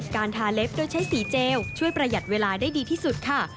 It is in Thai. การทาเล็บโดยใช้สีเจลช่วยประหยัดเวลาได้ดีที่สุดค่ะ